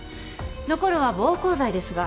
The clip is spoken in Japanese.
残るは暴行罪ですが。